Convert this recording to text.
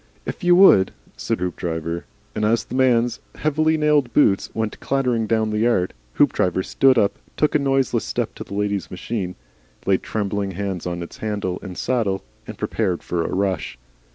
"If you would," said Hoopdriver. And as the man's heavily nailed boots went clattering down the yard, Hoopdriver stood up, took a noiseless step to the lady's machine, laid trembling hands on its handle and saddle, and prepared for a rush.